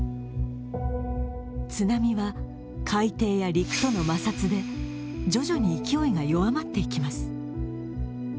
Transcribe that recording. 津波は、海底や陸との摩擦で徐々に勢いが弱まっていきます。